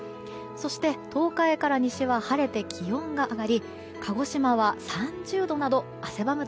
そして、東海から西は晴れて気温が上がり鹿児島は３０度など汗ばむ